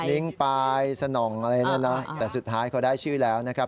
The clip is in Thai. นิ้งปลายสนองอะไรเนี่ยนะแต่สุดท้ายเขาได้ชื่อแล้วนะครับ